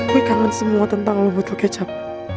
gue kangen semua tentang lo butuh kecap